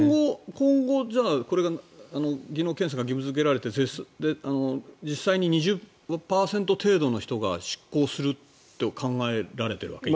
今後、これが技能検査が義務付けられて実際に２０％程度の人が失効するって考えられているわけ？